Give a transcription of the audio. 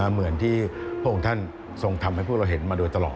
เหมือนที่พระองค์ท่านทรงทำให้พวกเราเห็นมาโดยตลอด